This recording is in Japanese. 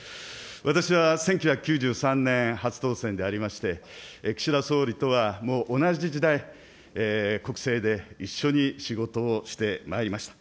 私は１９９３年初当選でありまして、岸田総理とはもう同じ時代、国政で一緒に仕事をしてまいりました。